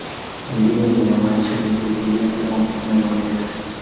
Pengine linamaanisha viumbe vingine, kama vile malaika.